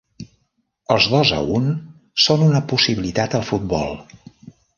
Els dos a un són una possibilitat al futbol.